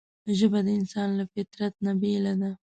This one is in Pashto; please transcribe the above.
ژبه د انسان له فطرته نه بېله ده